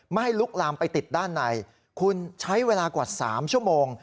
ไม่ลุกลามไปติดด้านในคุณใช้เวลากว่า๓ชั่วโมง